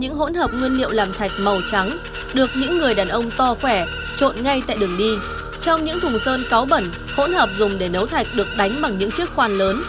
hỗn hợp dùng để nấu thạch được đánh bằng những chiếc khoàn lớn